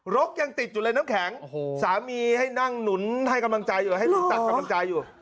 กยังติดอยู่เลยน้ำแข็งสามีให้นั่งหนุนให้กำลังใจอยู่แล้วให้หนุนตักกำลังใจอยู่